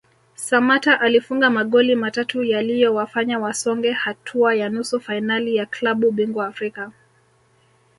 Samatta alifunga magoli matatu yaliyowafanya wasonge hatua ya nusu fainali ya klabu bingwa Afrika